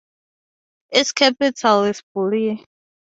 Its capital is Bulle.